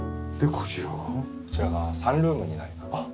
こちらがサンルームになります。